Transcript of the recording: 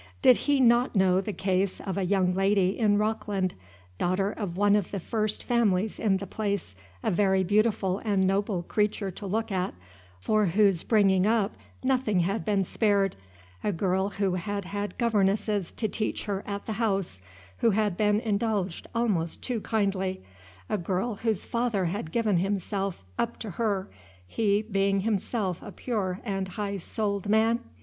Did he not know the case of a young lady in Rockland, daughter of one of the first families in the place, a very beautiful and noble creature to look at, for whose bringing up nothing had been spared, a girl who had had governesses to teach her at the house, who had been indulged almost too kindly, a girl whose father had given himself, up to her, he being himself a pure and high souled man?